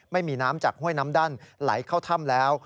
ไม่มีน้ำจากห้วยน้ำดั้นไหลเข้าถ้ำแล้ว